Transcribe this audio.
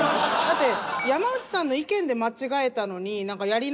だって山内さんの意見で間違えたのに確かに。